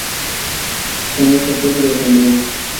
En este club descendió.